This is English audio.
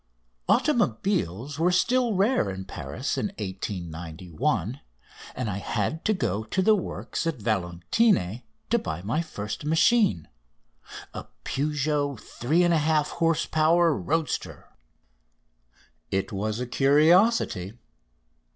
Automobiles were still rare in Paris in 1891, and I had to go to the works at Valentigny to buy my first machine, a Peugeot three and a half horse power roadster. It was a curiosity.